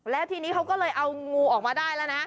แล้วทีนี้เขาก็เลยเอางูออกมาได้แล้วนะ